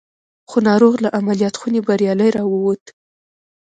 خو ناروغ له عملیات خونې بریالی را وووت